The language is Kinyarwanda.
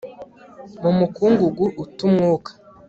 mu mukungugu u te umwuka